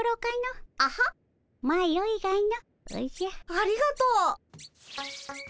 ありがとう。